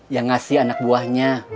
yang ngasih anak buahnya